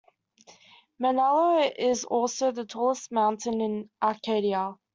Mainalo is also the tallest mountain in Arcadia.